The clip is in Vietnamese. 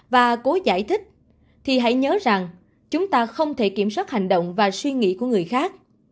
và cố giải thích thì hãy nhớ rằng chúng ta không thể kiểm soát hành động và suy nghĩ của người khác